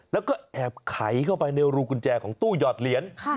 แล้วก็แอบไขเข้าไปในรูกุญแจของตู้หยอดเหรียญ